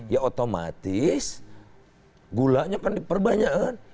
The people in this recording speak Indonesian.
ya otomatis gulanya akan diperbanyakkan